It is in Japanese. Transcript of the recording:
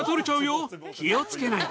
気を付けないと。